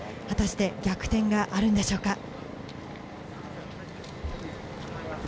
果たして逆転があるんでしょうか。